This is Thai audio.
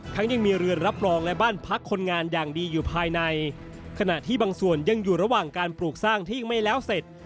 ยังมีเรือรับรองและบ้านพักคนงานอย่างดีอยู่ภายในขณะที่บางส่วนยังอยู่ระหว่างการปลูกสร้างที่ไม่แล้วเสร็จ